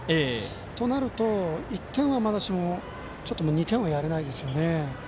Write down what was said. となると１点はまだしも２点はやれないですよね。